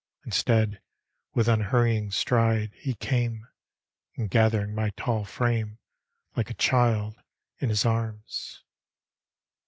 Instead, with unhurrying stride He came. And gathering my tall frame, Like a child, in his arms.